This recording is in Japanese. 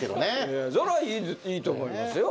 それはいいと思いますよ。